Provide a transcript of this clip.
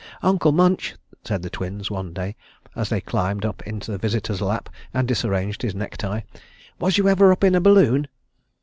"Uncle Munch," said the Twins one day, as they climbed up into the visitor's lap and disarranged his necktie, "was you ever up in a balloon?"